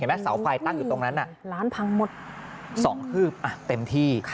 เสาไฟตั้งอยู่ตรงนั้นร้านพังหมด๒คืบเต็มที่